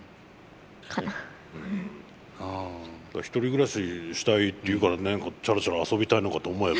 「１人暮らししたい」って言うから何かちゃらちゃら遊びたいのかと思えば。